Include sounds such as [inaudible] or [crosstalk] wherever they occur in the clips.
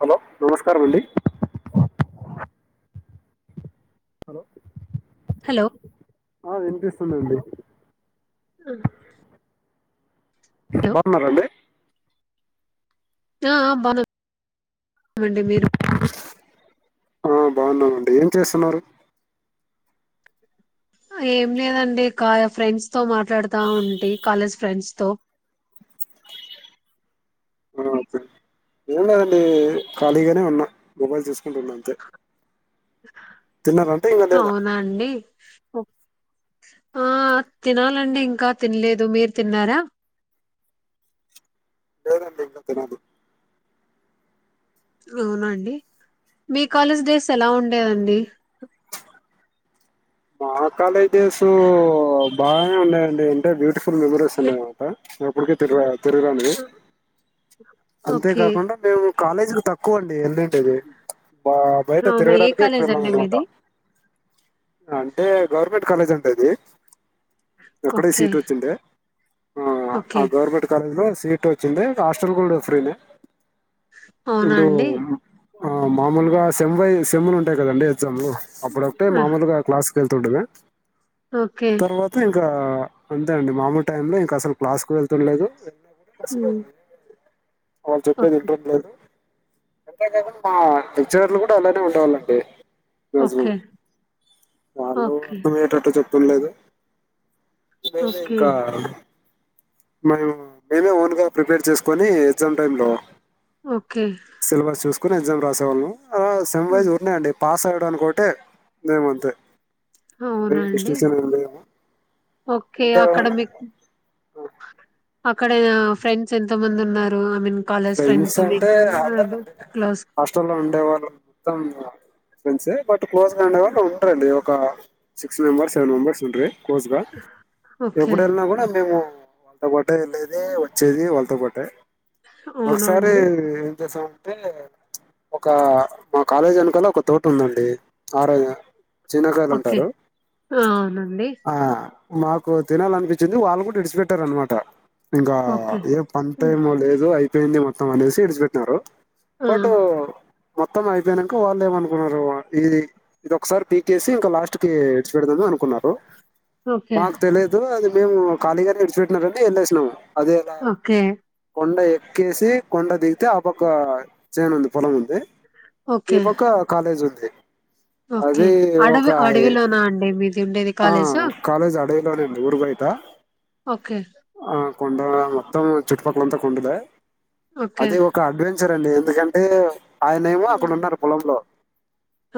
Hello నమస్కారం అండి hello hello ఆ వినిపిస్తుందండి హా బాగున్నారండి ఆ ఆ బాను న్నాం అండి మీరు ఆ బాగున్నామండి ఏం చేస్తున్నారు ఏం లేదండి కా ఫ్రెండ్స్ తో మాట్లాడుతా ఉంటి కాలేజ్ ఫ్రెండ్స్ తో ఆ ఓకే ఏం లేదండి ఖాళీగానే ఉన్నా మొబైల్ చూసుకుంటున్న అంతే తిన్నారంటే ఇంకా లేదా అవునాఅండి ఆ తినాలండి ఇంకా తినలేదు మీరు తిన్నారా లేదండి ఇంక తినదు అవునాఅండి మీ కాలేజ్ డేస్ ఎలా ఉండేవండి మా కాలేజ్ డేస్ బాగానే ఉన్నాయండి అంటే బ్యూటిఫుల్ మెమరీస్ ఉన్నాయన్మాట ఎప్పటికే తిరగ తిరగను ఓకే అంతేకాకుండా మేము కాలేజికి తక్కువండి ఎల్ లి మా బయట అవునా ఏ తిరగడానికె ఎక్కువ కాలేజ్ వెళ్ళాం అండి అనుకుంట మీది అంటే గవర్నమెంట్ కాలేజ్ ఉండేది ఓకే అక్కడేసీట్ వచ్చుండే ఓకే ఆ గవర్నమెంట్ కాలేజ్ లో సీట్ వచ్చింది హాస్టల్ కూడా ఫ్రీనే అవునా ఇప్పుడు అండి ఆ మామూలుగా సెమ్ వైస్ సెమ్ములు ఉంటాయి కదండి ఎగ్జామ్లు అప్పుడు ఒక్కటే ఆ, మామూలుగా క్లాస్ వెళ్తుండమే ఓకే తర్వాత ఇంకా అంతే అండి మామూలు టైమ్ లో ఇంకా అసలు క్లాస్ కు వెళ్తుండలేదు ఉమ్, వాళ్ళు చెప్పేది ఓకే ఇంట్రెస్ట్ లేదు అంతేకాదు మా లెక్చరర్లు కూడా అలానే ఉండేవాళ్ళండి ఓకే ప్రెసెంట్ వాళ్ళు ఓకే అర్థం అయ్యేటట్టు చెప్ తు లేదు లేది ఓకే ఇంకా మేము మేమే ఓన్ గా ప్రిపేర్ చేసుకొని ఎగ్జామ్ టైమ్ లో ఓకే కుని ఎగ్జామ్ రాసేవాళ్ళం సెమ్ వైజ్ ఉన్నాయండి పాస్ అవ్వడానుకొటే మేమ అంతే మరి అవునండి డెస్టినేషన్ ఏంది ఓకే. అంటే అక్కడ మీకు అక్కడ ఫ్రెండ్స్ ఎంతో మంది ఉన్నారు ఐ మీన్ కాలేజ్ ఫ్రెండ్స్ అంటే మీకు అల్లే అబ్ క్లోజ్ హాస్టల్లో ఉండేవాళ్ళు మొత్తం ఫ్రెండ్సే బట్ క్లోజ్గా ఉండెవాళ్ళు ఉన్రు రండి ఒక సిక్స్ మెంబర్స్ సెవెన్ మెంబెర్స్ ఉంటే కోజ్గా ఓకే. ఎప్పుడు వెళ్ళినా కూడా మేము ఒకటే వెళ్ళేది వచ్చేది వాళ్ళతో పాటే అవునా ఒకసారి అండి? ఏం చేసామంటే ఒక మా కాలేజ్ వెనుకలొ ఒక తోట ఉందండి నారాయణ చిన్నకాయలు ఓకే. అంటారు ఆ! అవునండి. ఆ మాకు తినాలినిపించింది వాళ్ళు కూడా విడిచిపెట్టరు అనమాట ఇంకా ఓకే. ఏ పంట హ్మ్. ఏమో లేదు అయిపోయింది మొత్తం వదిలేసి విడిసిపెట్టారు ఆ! బట్ ఉ మొత్తం అయిపోయినంక వాళ్ళు ఏమనుకున్నారు ఇది ఇది ఒకసారి పీకేసి ఇంకా లాస్ట్ కి ఇడిచి పెడదాము అనుకున్నారు ఓకే. మాకు తెలిదు అది మేము ఖాళీగానే విడిచిపెట్టినారని వెళ్ళేసినాము అదేలా ఓకే. కొండ ఎక్కేసి కొండ దిగితే ఆ పక్కా చేను ఉంది పొలం ఉంది ఈ ఓకే. పక్క కాలేజీ ఉంది ఓకే అది ఒక అడవి అడవిలోనా అండి మీది ఉండేది ఆ కాలేజ్ అడవిలోనేండి ఊరుబయటా ఓకే కొడ మొత్తం చుట్టుపక్కలంతా కొండదా ఓకే. అది ఒక అడ్వ్ చ్చరండి ఎందుకంటే ఆయన ఏమో అక్కడ హ్మ్. ఉన్నరు పొలంలో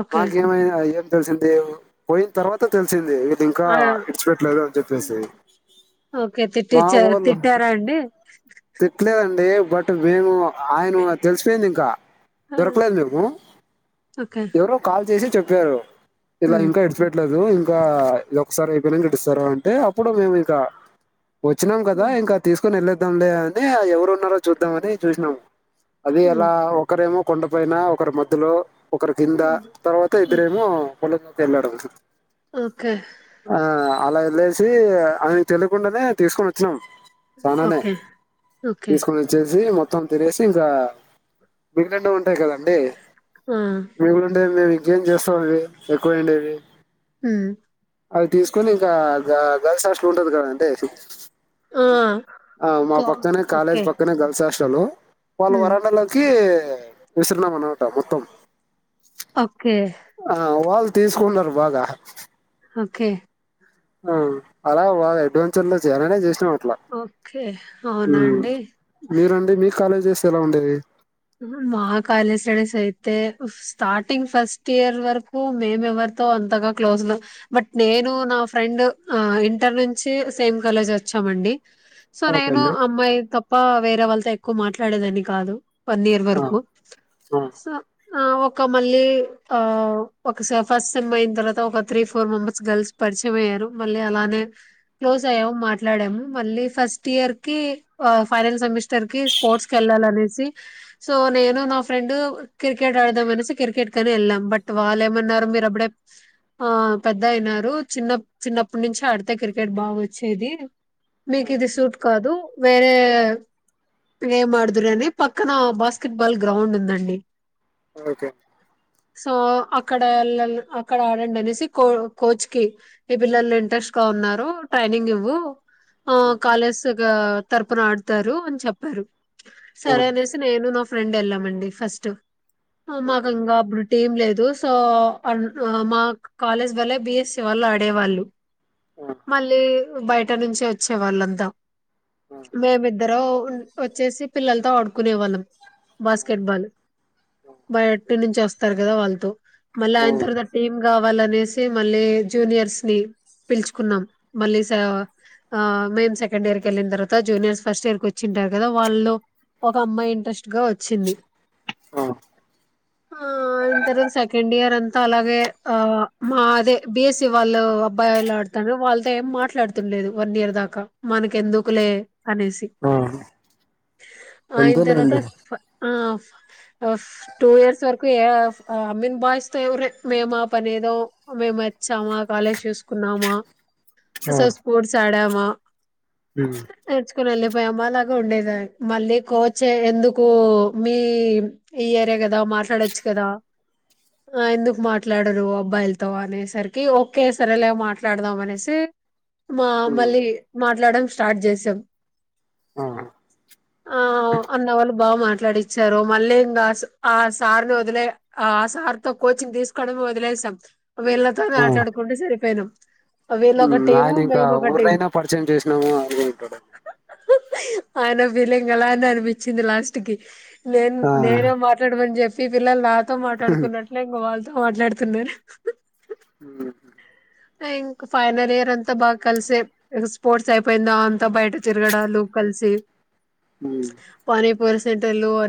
ఓకే. మాకేమైనా ఏం తెలిసింది పోయిన తర్వాత తెలిసింది ఇంకా ఆ! ఇడిచిపెట్టలేదు అని చెప్పేసి ఓకే. మా తిట్టిచ్చా వోళు తిట్టారా అండి? తిట్లేదండి బట్ మేము ఆయన తెలిసిపోయింది ఇంకా ఆ! దొరకలేదు మీరు ఓకే. ఎవరో కాల్ చేసి చె ప్పారు ఇలా హ్మ్. ఇంకా విడిచిపెట్లేదు ఇంకా ఇఒకసారి ఓపెనింగ్ గిటిస్తర అంటే అప్పుడు మేము ఇంకా వచ్చినాం కదా హ్మ్. ఇంకా తీసుకుని వెల్లోద్దాంలే అని ఎవరు ఉన్నారో చూద్దాం అని చూసినాం అది హ్మ్. అలా ఒకరేమో కొండపైన ఒకరి మధ్యలో ఒకరి కింద తర్వాత హ్మ్. ఇద్దరేమో పొలంలోకి వెళ్ళాడు. ఓకే అలా ఎళ్లేసి ఆయనకు తెలికుండానే తీసుకొని వచ్చినాం చనానే ఓకే. ఓకే. తీసుకొని వచ్చేసి మొత్ త్తం తినేసి ఇంకా మిగిలింటవి ఉంటాయి కదండి ఆ! [unintelligible] ఎం చేస్తాం అండి ఎక్కువైండేవి? హ్ అది తీసుకొని ఇంకా గ గల్స్ హాస్టల్ ఉంటది కదా అండి. ఆ! ఆ మా కో పక్కనే కాలేజ్ ఓకే. పక్కనే గర్ల్స్ అ తలు వాళ్ళ హ్మ్. వరండాలోకి విస్ రమనాట మొత్తం ఓకే. ఆ వాళ్ళు తీసుకున్నారు బాగా ఓకే అ అలా వాళ అడ్వెంచర్ లో చేయాలనే చేస్ నామ్ అట్లా ఓకే. అవునా ఉమ్ అండి? మీరండి మీ కాలేజెస్ ఎలా ఉండేవి? మా కాలేజ్ స్టడీస్ అయితే స్టార్టింగ్ ఫస్ట్ ఇయర్ వరకు మేమ్ ఎవర్ తో అంతగా క్లోజ్ లొ బట్ నేను నా ఫ్రెండ్ అ ఇంటర్ నుంచి సేమ్ కాలేజ్ వచ్చా చ్చామండి. సో ఓకే నేను అండి అమ్మాయి తప్ప వేరే వాళ్ళతో ఎక్కువ మాట్లాడేదాన్ని కాదు. పన్నీర్ ఆ, వరుకు ఆ, సో ఆ ఒక మళ్ళీ ఆ ఒక స ఫస్ట్ సెమ్ అయిన తర్వాత ఒక త్రీ ఫోర్ మెంబర్స్ గర్ల్స్ పరిచయం అయ్యారు. మళ్ళీ అలానే క్లోజ్ అయ్యాము మాట్లాడము. మళ్ళీ ఫస్ట్ ఇయర్ కి ఫా ఫైనల్ సెమిస్టర్ కి స్పోర్ట్స్ కెళ్ళాలనేసి సో నేను నా ఫ్రెండ్ క్రికెట్ ఆడదామనేసి క్రికెట్ కని వెళ్ళాం బట్ వాళ్ళు ఏమన్నారు? మీరు అప్పుడేప్ ఆ పెద్ద అయినారు చిన్నప్ చిన్నప్పటి నుంచి ఆడితే క్రికెట్ బాగా వచ్చేది. ఆ, మీకు ఇది సూట్ కాదు. వేరే గేమ్ ఆడుదూరని పక్కన బాస్కెట్ బాల్ గ్రౌండ్ ఉందండి. ఓకే సో అక్కడ అల్లల్ అక్కడ ఆడండి అనేసి కో కోచ్ కి ఈ పిల్లలు ఇంట్రెస్ట్ తో ఉన్నారు ట్రైనింగ్ ఇవ్వు ఆ కాలేస్ గా తరపున ఆడుతారు అని చెప్పారు. ఆ, సరే అనేసి నేను నా ఫ్రెండ్ వెళ్ళామండి ఫస్ట్ మాకు ఓకే అండి ఇంగా అప్పుడు టీం లేదు. తో అమ్ మా కాలేజ్ వల్ల బిఎస్సి వాల్లు ఆడేవాళ్ళు. ఆ, మళ్ళీ బయట నుంచి వచ్చే వాళ్ళంతా మేము ఇద్దరు ఉన్ వచ్చేసి ల్ తో ఆడుకునే వాళ్ళం. బాస్కెట్ బాల్ బయటనుంచి స్ వస్తారు కదా వాళ్ళతో మళ్ళీ ఆ, ఆయన తర్వాత టీమ్ కావాలనేసి మళ్ళీ జూనియర్స్ ని పిలుచుకున్నాం మళ్ళీ సా ఆ మేం సెకండ్ ఇయర్ కెళ్ళిన తర్వాత జూనియర్స్ ఫస్ట్ ఇయర్ కి వచ్చింటారు కదా వాళ్ళు. ఒక అమ్మాయి ఇంట్రెస్ట్గా వచ్చింది. ఆ, ఆ, ఆ అన్ తర్వాత సెకండ్ ఇయర్ అంతా అలాగే ఆ మాదే బిఎస్సి వాళ్ళు బయలులడుతడ్రు వాళ్ళతో ఏం మాట్లాడుతల్లెదు వన్ ఇయర్ దాకా మనకి ఎందుకులే అనేసి. ఆ, ఆయిన తర్వాత అంతేలేండి ఫ ఆప్ ఆఫ్ టూ ఇయర్స్ వరకు ఏ ఆఫ్ అ మెన్ బాయ్స్ తో ఎవ రె మే మా పనే ఏదో మె మెమోచ్చామా, కాలేజ్ చూసుకున్నామా ఆ, అసలు స్పోర్ట్స్ ఆడామా మ్మ్, నేర్చుకుని వెళ్ళిపోయమ్ అలాగా ఉండేదాయి మళ్ళీ కోచ్ఎ ఎందుకు మీ ఇయరే కదా మాట్లాడచ్చు కదా. ఆ ఎందుకు మాట్లాడరు అబ్బాయిలతో అనేసరికి ఓకే సార్ అలాగ మాట్లాడదాం అనేసి మా మ్మ్, మళ్ళీ మాట్లాడడం స్టార్ట్ చేసాం. ఆ, ఆ అన్న వాళ్ళు బాగా మాట్లాడిచ్చారు మళ్ళీ ఇంకా ఆ సార్ని వదిలే ఆ సార్తో కోచింగ్ తీసుకోవడమే వదిలేసాం వీళ్ళతోనే ఆ. ఆట్లాడుకుంటు సరిపోయినాం వీళ్ళొక ఉమ్ టీము ఆయన ఇంకా మేము ఒక టీం ఊర్నైనా పరిచయం చేసినాము అనుకుంటాడు ఆయన ఫీలింగ్ అలానే అనిపించింది లాస్ట్ కి నేను ఆ నేనే మాట్లాడమని చెప్ మీ పిల్లలు నాతో మాట్లాడుకున్నట్లే ఇంక వాళ్ళతో మాట్లాడుతున్నారు ఉహుమ్ ఇంకా ఫైనల్ ఇయర్ అంతా బాగా కలిసే స్పోర్ట్స్ అయిపోయిందా అంతా బయట తిరగడాలు కలిసి ఉమ్, పాని వర సెంటర్లు అ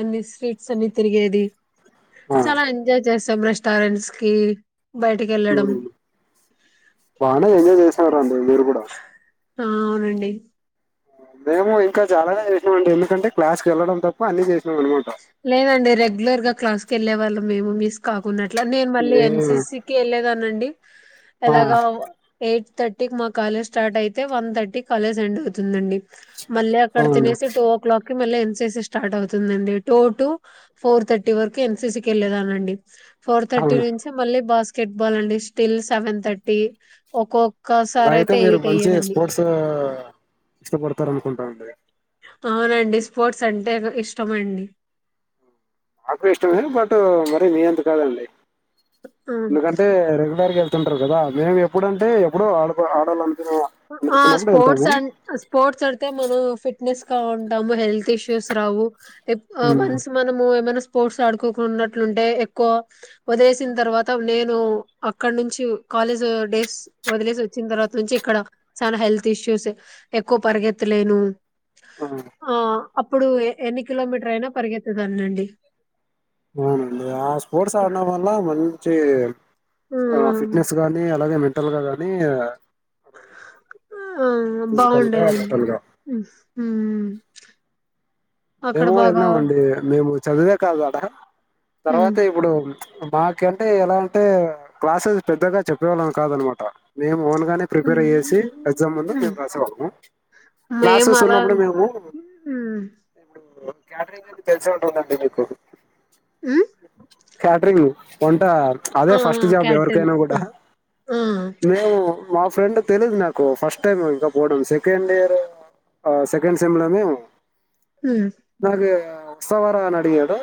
అన్ని స్వీట్స్ అన్ని తిరిగేది ఆ చాలా ఎంజాయ్ చేస్ రెస్టారెంట్స్ కి బయటకి వెళ్ళడం బానే ఎంజాయ్ చేసారండీ మీరు కూడా ఆ అవునండి మేము ఇంకా చాలానే చేసినాం అండి ఎందుకంటే క్లాసు కి వెళ్డం తప్ప అన్ని చేసినాం అనమాట లేదండి రెగ్యులర్ గా క్లాస్ కి వెళ్ళే వాళ్ళం మేము మిస్ కాకున్నట్లా నేను మళ్ళీ ఏ ఎన్ సి సి కి వెళ్ళేదానండి ఆ ఎలాగా ఎయిట్ తర్టీకి మా కాలేజ్ స్టార్ట్ అయితే వన్ థర్టీ కాలేజ్ ఎండ్ అవుతుందండి మళ్ళీ అక్కడ అవునండి తినేసి టూ ఓ క్లాక్ కి ఎన్ సి సి స్టార్ట్ అవుతుందండి టూ టు ఫోర్ థర్టీ వరకు ఎన్ సి సి కి వెళ్ళేదాన్ని అండి ఫోర్ థర్టీ అవును నుంచి మళ్ళీ బస్ కెట్ బాల్ అండి స్టిల్ సెవెన్ థర్టీ ఒక్కో అలా అయితే మీరు మంచి స్పోర్ట్స్ ఇష్టపడతారు అనుకుంటా అండి అవునండి స్పోర్ట్స్ అంటే ఇష్టమండి నాకూ ఇష్టమే బట్ మరి మీ అంత కాదండి ఆ ఎందుకంటే రెగ్యులర్ గా ళ్తుంటారు కదా మేము ఎప్పుడుంటే ఎప్పుడు ఆడు ఆడాలంట ఆ స్పోర్ట్స్ అ స్పోర్ట్స్ అడితే మనం ఫిట్ ట్నెస్ గా ఉంటాము హెల్త్ ఇష్యూస్ రావు ఉమ్ వన్స్ మనము ఏమైనా స్పోర్ట్స్ ఆడుకోకున్నట్లుంటే ఎక్కువ వదిలేసిన తర్వాత నేను అక్కడ నుంచి కాలేజ్ డేస్ వదిలేసి వచ్చిన తర్వాత నుంచి ఇక్కడ చాల హెల్త్ ఇష్యూస్ ఎక్కువ పరిగెత్తలేను ఆ ఆ అప్పుడు ఎన్ని కిలోమీటర్ అయినా పరిగెత్తదాన్నండి అవునండి ఆ స్పోర్ట్స్ ఆడడం వల్ల మంచి ఆ ఫిట్నెస్ గానీ అలాగే మెంటల్ గా గాని ఆ ఆ ఫిజికల్ గా బాగుండేదండి మెంటల్ గా ఉమ్ మేము బాగా వెల్లినామండి మేము చదివే కాదు ఆడ హ్మ్. తర్వాత ఇప్పుడు ప్చ్ మాకంటే ఎలా అంటే క్లాసెస్ పెద్దగా చెప్పేవాళ్ళం కాదనమాట మేము ఓన్ గానే ప్రిపేర్ హ్మ్. అయ్యేసి ఎగ్జామ్ ముందు హ్మ్. మేము రాసేవాళ్ళము మేము క్లాసెస్ అలా ఉన్నప్పుడు మేము హ్మ్. క్యాటరింగ్ అంటే తెల్సే ఉంటుందండి మీకు ఆ క్యాటరింగ్ వంట అదే ఆ! ఫస్ట్ ఆ! జాబ్ క్యాటన్. ఎవరికైనా ఆ! కూడా ఆ! మేము మా ఫ్రెండ్ తెలీదు నాకు ఫస్ట్ టైం ఇంకా పోవడం సెకండ్ ఇయర్ సెకండ్ సెమ్ల హ్మ్. నాకు వస్తవారా అని అడిగాడు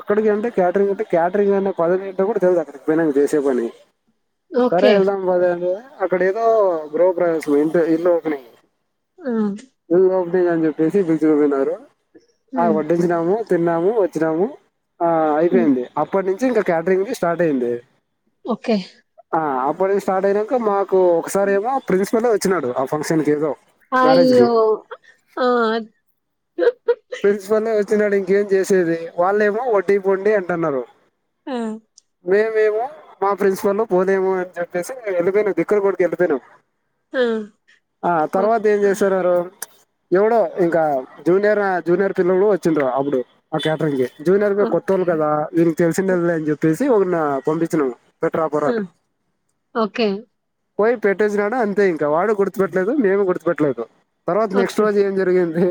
ఎక్కడికి అంటే క్యాటరింగ్ అంటే క్యాటరింగ్ అనే పదవి ఏంటో కూడా తెలిదు అక్కడికి పోయినంక చేసే పని సరే ఓకే. వెళ్దాం పద అని అక్కడ ఏదో గృహ ప్రవేశం ఇంటి ఇల్లు ఓపెనింగ్ ఆ [unintelligible] చెప్పేసి పిలుచుకు పోయినారు ఆ హ్మ్. వడ్డిచ్చినాము తిన్నాము వచ్చినాము ఆ హ్మ్. అయిపెయింది అప్పటి నుంచి ఇంకా క్యాటరింగ్ స్టార్ట్ అయింది. ఒకె అప్పుడే స్టార్ట్ అయినంకా మాకు ఒకసారేమో ప్రిన్సిపలే వచ్చినాడు ఫంక్షన్ కేదో మ్యారేజ్ కీ అయ్యో! ఆ! ప్రిన్సిపలే వచ్చినాడు ఇంకేం చేసేది వాళ్ళేమో వడ్డీయు పోండి అంటున్నారు ఆ! మే మేము మా ప్రిన్సిపల్ పోలేము అని చెప్పేసి వెళ్ళిపోయినాము దగ్గర వరకు వెళ్ళిపోయినాము ఆ! ఆ ఓకే. తర్వాత ఏం జేసారు వారు ఎవడో ఇంకా జూనియర్ జూనియర్ పిల్లోడు వచ్చిండ్రు అబుడు ఆ క్యా జూనియర్ మీ ఓకే. కొత్తళ్ళు కదా వీనికి తెలిసిండేల్లేదులే అని చెప్పేసి ఒకరిన పంపించినాము పెట్రాపోరా ఆ! అని ఓకే పోయి పెట్టేసినాడు అంతే ఇంకా వాడు గుర్తుపట్లేదు మేము గుర్తుపట్లేదు తర్వాత నెక్స్ట్ రోజు ఏం జరిగింది.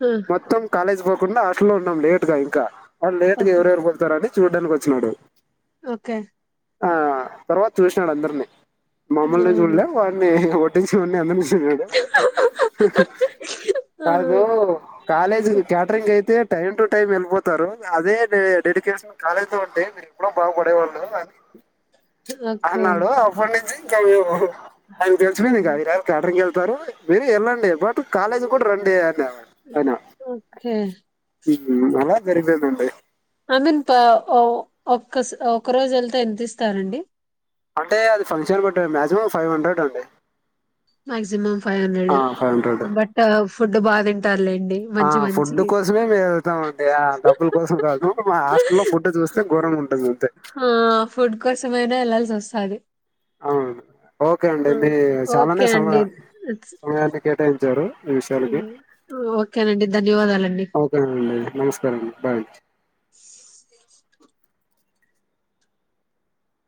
హ్మ్ మొత్తం కాలేజ్ బోకుండా హాస్టల్లో ఉన్నాం లేట్ గా ఇంకా అ లేట్ గా ఓకే. ఎవరెవరు పోతారని చూడ్డానికి వచ్చినాడు ఓకే ఆ తర్వాత చూసినాడు అందర్నీ మమ్మల్ని అవును. జూళ్లా వాన్ని ఒడ్డిచ్చేవాణ్ణి అందరి చూ తినడు ఆ! కాదు కాలేజ్ క్యాటరింగ్ అయితే టైమ్ టు టైం వెళ్ళిపోతారు అదే డె డెడికేషన్ కాలేజీలో ఉంటే మీరు ఎప్పుడో బాగుపడేవాళ్ళు అని ఓకే. అన్నాడు అప్పన్నుంచి ఇంకా మేము ఆయనకి తెలిసిపోయిందింక ఆహా! ఈ [unintelligible] క్యాటరింగ్కెల్తారు మీరే ఎల్లండి బట్ టు కాలేజ్ కూడా రండి అనా ఓకే హ్మ్ అలా జరిపోయిందండి. ఐ మీన్ పా ఒక ఒక్కరోజు వెళ్తే ఎంత ఇస్తారండి అంటే అది ఫంక్షన్ బట్టి మాజిమం ఫైవ్ హండ్రెడ్ అండి. Maximum five hundred five hundred but food బా దింటారులే డి మంచి మంచి ఫుడ్ కోసమే మేము వెళ్తామండి ఆ, డబ్బుల కోసం కాదు మా హాస్టల్లో ఫుడ్ చూస్తే ఘోరంగా ఉంటుంది అంతే ఆ ఫుడ్ కోసమైనా ఎళ్లాల్సి వొస్తాది అవును ఓకే అండి మీ చానానే తండిర్ ఈ విషయాలకి ఓకేనండి ధన్యవాదాలండి అవకా [unintelligible] నమస్కారండి బాయ్